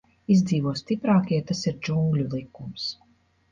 Izdzīvo stiprākie, tas ir džungļu likums.